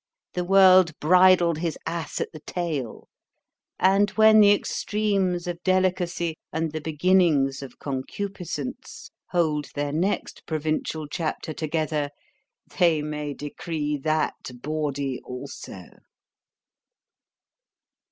—The world bridled his ass at the tail.—And when the extremes of DELICACY, and the beginnings of CONCUPISCENCE, hold their next provincial chapter together, they may decree that bawdy also.